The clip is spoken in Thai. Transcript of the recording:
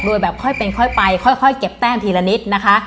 รวยแบบค่อยไปค่อยเก็บแต้งทีละนิดนะคะ